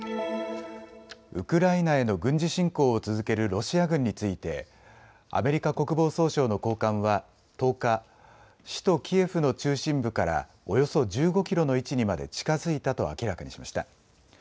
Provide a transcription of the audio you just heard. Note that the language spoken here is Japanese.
ウクライナへの軍事侵攻を続けるロシア軍についてアメリカ国防総省の高官は１０日、首都キエフの中心部からおよそ１５キロの位置にまで近づいたと明らかにしました。